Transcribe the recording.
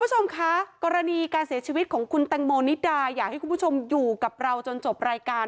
คุณผู้ชมคะกรณีการเสียชีวิตของคุณแตงโมนิดาอยากให้คุณผู้ชมอยู่กับเราจนจบรายการ